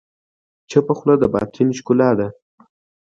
چپه خوله، د باطن ښکلا ده.